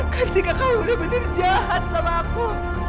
ketika kamu benar benar jahat sama aku